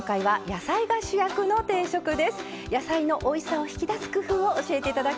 野菜のおいしさを引き出す工夫を教えて頂きます。